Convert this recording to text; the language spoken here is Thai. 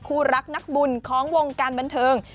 คู่รักนักบุญของวงการบันเทิง